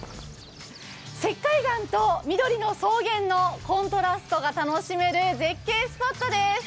石灰岩と緑の草原のコントラストが楽しめる絶景スポットです。